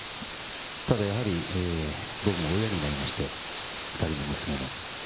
ただやはり、僕も親になりまして、２人の娘の。